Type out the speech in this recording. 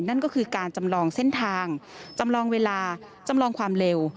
นั่นก็คือการจำลองเส้นทางจำลองเวลาจำลองความเร็ว